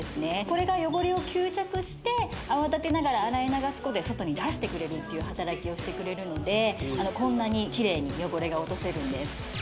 これが汚れを吸着して泡立てながら洗い流すことで外に出す働きをしてくれるのでこんなにキレイに汚れが落とせるんです